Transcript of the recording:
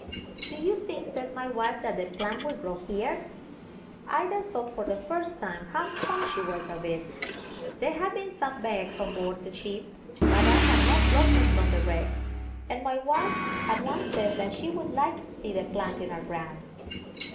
"Do you think," said my wife, "that the plant would grow here?" I then thought for the first time how fond she was of it. There had been some bags on board the ship, but I had not brought them from the wreck; and my wife had once said that she would like to see the plant in our ground.